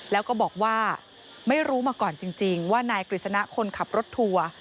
แล้วก็บอกว่าไม่รู้มาก่อนจริงว่านายกฤษณะคนขับรถทัวร์